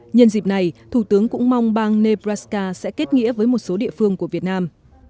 nhân dịp này thủ tướng cũng mong bang nebraca sẽ kết nghĩa với một số địa phương của việt nam